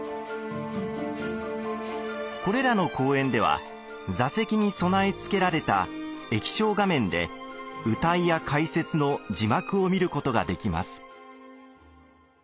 これらの公演では座席に備え付けられた液晶画面で謡や解説の字幕を見ることができます。